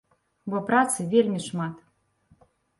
Бо працы вельмі шмат.